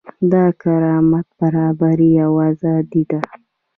دا کرامت، برابري او ازادي ده.